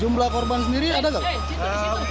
jumlah korban sendiri ada nggak